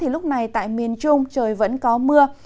lúc này tại miền trung trời vẫn có mưa